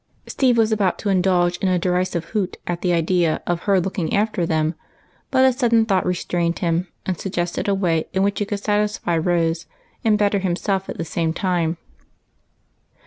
Steve was about to indulge in a derisive hoot at the idea of her looking after them, but a sudden thought restrained him, and suggested a way in which he could satisfy Rose, and better himself at the same time.